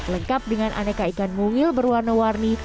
lengkap dengan aneka ikan mungil berwarna warni